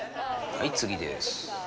はい次です。